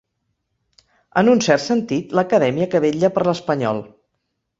En un cert sentit, l'acadèmia que vetlla per l'espanyol.